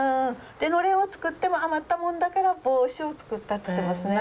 のれんを作って余ったもんだから帽子を作ったって言ってますね。